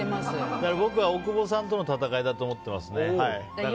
僕は、大久保さんとの戦いだと思っていますね。